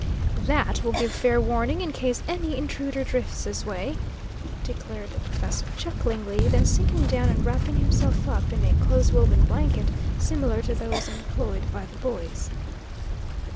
"That will give fair warning in case any intruder drifts this way," declared the professor, chucklingly, then sinking down and wrapping himself up in a close woven blanket, similar to those employed by the boys.